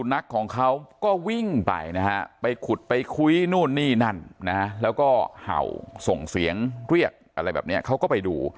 นักของเขาก็วิ่งไปนะฮะไปขุดไปคุยนู่นนี่นั่นนะฮะแล้วก็เห่าส่งเสียงเรียกอะไรแบบนี้เขาก็ไปดู